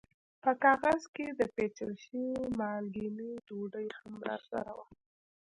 په کاغذ کې د پېچل شوې مالګینې ډوډۍ هم راسره وه.